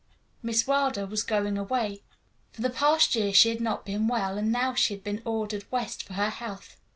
Miss Wilder was going away. For the past year she had not been well, and now she had been ordered West for her health.